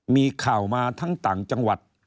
มีข่าวมาทั้งต่างจังหวัด